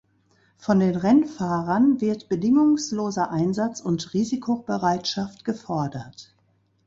Von den Rennfahrern wird bedingungsloser Einsatz und Risikobereitschaft gefordert.